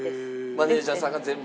マネージャーさんが全部？